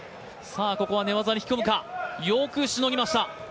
ここは寝技に引き込むか、よくしのぎました。